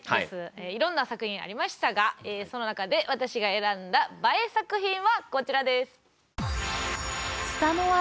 いろんな作品ありましたがその中で私が選んだＢＡＥ作品はこちらです。